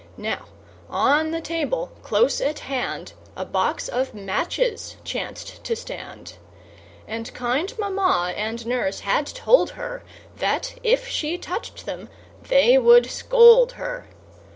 Now, on the table close at hand, A box of matches chanced to stand; And kind Mamma and Nurse had told her, That, if she touched them, they would scold her.